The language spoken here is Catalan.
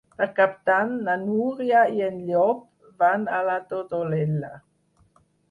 Per Cap d'Any na Núria i en Llop van a la Todolella.